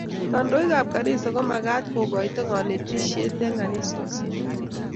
kandoik ab kanisa ko magat kokoito kanetishet eng kanisoshek